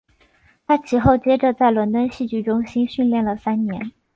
他其后接着在伦敦戏剧中心训练了三年。